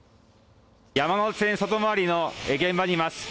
山手線外回りの現場にいます。